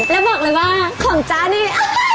แล้วบอกเลยว่าของจ๊ะนี่